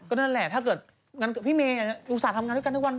นั่นแหละถ้าเกิดงั้นพี่เมย์อุตส่าห์ทำงานด้วยกันทุกวัน